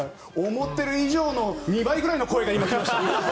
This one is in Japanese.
思ってる以上の２倍ぐらいの声が今出ていました。